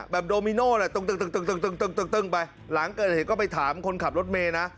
โดมิโน่แหละตึงไปหลังเกิดเหตุก็ไปถามคนขับรถเมย์นะ